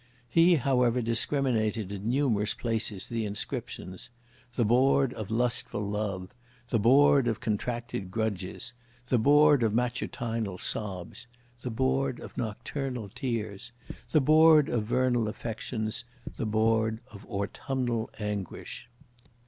He however discriminated in numerous places the inscriptions: The Board of Lustful Love; the Board of contracted grudges; The Board of Matutinal sobs; the Board of nocturnal tears; the Board of vernal affections; and the Board of autumnal anguish.